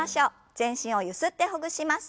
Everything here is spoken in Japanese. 全身をゆすってほぐします。